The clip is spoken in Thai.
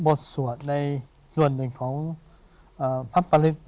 บทสวดในส่วนหนึ่งของพระปริศ